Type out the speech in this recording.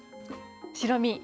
白身。